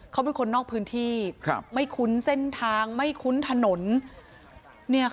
เขาเป็นคนนอกพื้นที่ไม่คุ้นเส้นทางไม่คุ้นถนน